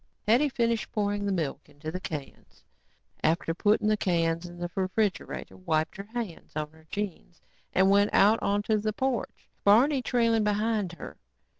Hetty finished pouring the milk into the cans and after putting the cans in the refrigerator, wiped her hands on her jeans and went out onto the porch, Barney trailing behind her.